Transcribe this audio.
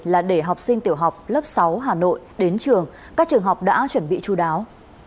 là để học sinh tiểu học lớp sáu hà nội đến trường các trường học đã chuẩn bị chú đáo